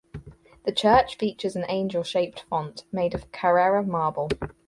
The church features an angel shaped font made of Carrera marble.